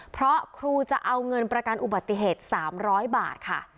เพราะครูจะเอาเงินประกันอุบัติเหตุ๓๐๐บาทค่ะ